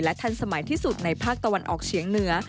ทันสมัยที่สุดในภาคตะวันออกเฉียงเหนือ